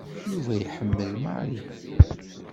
Yuba iḥemmel Mary.